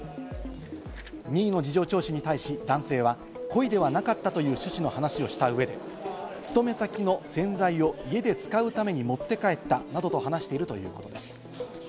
任意の事情聴取に対し男性は、故意ではなかったという趣旨の話をした上で、勤め先の洗剤を家で使うために持って帰ったなどと話しているということです。